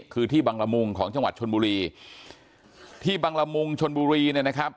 คือที่บังละมุงของจังหวัดชนบุรีที่บังละมุงชนบุรีเนี่ยนะครับ